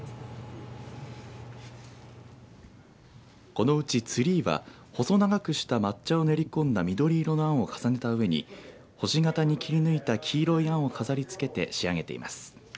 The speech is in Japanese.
このうちツリーは細長くした抹茶を練り込んだ緑色のあんを重ねたうえに星形に切り抜いた黄色いあんを飾りつけて仕上げています。